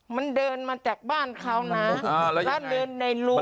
มันเดินมาจากบ้านเขานะแล้วเดินในรั้ว